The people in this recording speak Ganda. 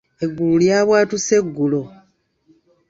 Eggulu lyabwatuse eggulo.